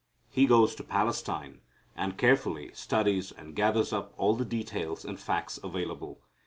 He goes to Palestine, and carefully studies and gathers up all the details and facts available.